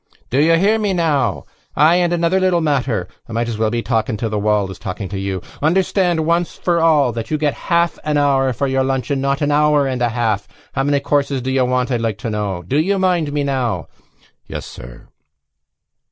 "Do you hear me now?... Ay and another little matter! I might as well be talking to the wall as talking to you. Understand once for all that you get a half an hour for your lunch and not an hour and a half. How many courses do you want, I'd like to know.... Do you mind me, now?" "Yes, sir."